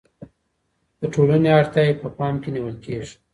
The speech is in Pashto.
د ټولني اړتياوې په پام کي نیول کيږي.